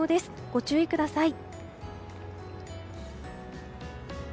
ご注意ください。